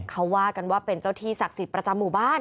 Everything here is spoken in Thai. เขาว่ากันว่าเป็นเจ้าที่ศักดิ์สิทธิ์ประจำหมู่บ้าน